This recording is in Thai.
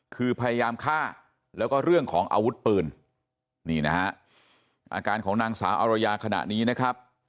คือพยายามฆ่าแล้วก็เรื่องของอาวุธปืนนี่นะฮะอาการของนางสาวอารยาขณะนี้นะครับ